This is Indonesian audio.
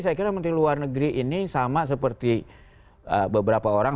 saya kira menteri luar negeri ini sama seperti beberapa orang